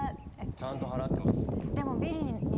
ちゃんと払ってます。